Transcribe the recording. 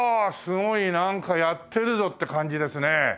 なんかやってるぞって感じですね。